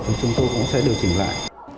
thì chúng tôi cũng sẽ điều chỉnh lại